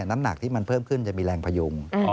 น้ำหนักที่มันเพิ่มขึ้นจะมีแรงพยุง